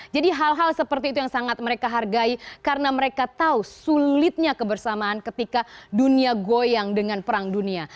jadi hal hal seperti itu yang sangat mereka hargai karena mereka tahu sulitnya kebersamaan ketika dunia goyang dengan perang dunia